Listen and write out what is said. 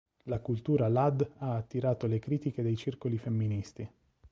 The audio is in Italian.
La cultura lad ha attirato le critiche dei circoli femministi.